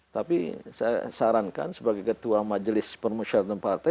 tapi saya sarankan sebagai ketua majelis permusyaratan partai